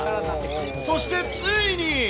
そしてついに。